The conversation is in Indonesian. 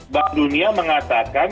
bahkan dunia mengatakan